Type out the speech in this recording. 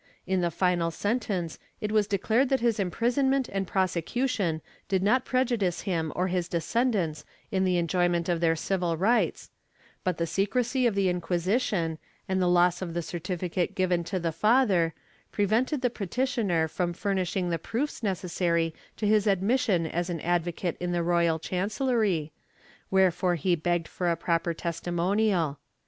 In the final sentence it was declared that his imprisonment and prosecution did not prejudice him or his descendants in the enjoy ment of their civil rights, but the secrecy of the Inquisition, and the loss of the certificate given to the father, prevented the petitioner from furnishing the proofs necessary to his admission as an advo cate in the royal chancellery, wherefore he begged for a proper testimonial.